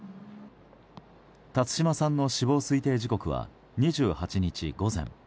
辰島さんの死亡推定時刻は２８日午前。